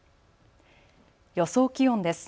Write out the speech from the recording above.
予想気温です。